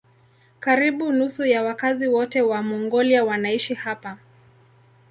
Karibu nusu ya wakazi wote wa Mongolia wanaishi hapa.